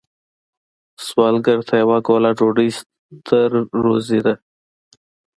سوالګر ته یوه ګوله ډوډۍ ستر روزی ده